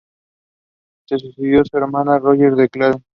Le sucedió su hermano Roger de Clare.